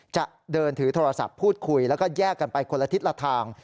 จะเดินถือโทรศัพท์พูดคุยแล้วก็แยกกันไปคนละทิศละทาง